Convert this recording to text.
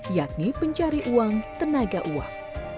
yakni pencari uang tenaga uap